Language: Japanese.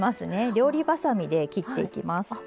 料理ばさみで切っていきます。